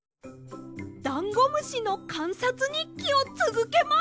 だんごむしのかんさつにっきをつづけます！